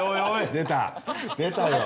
◆出たよ。